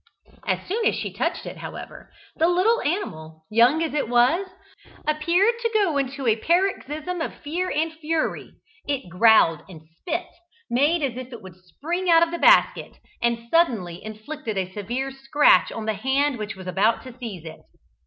As soon as she touched it, however, the little animal, young as it was, appeared to go into a paroxysm of fear and fury; it growled and spit, made as if it would spring out of the basket, and suddenly inflicted a severe scratch on the hand which was about to seize it.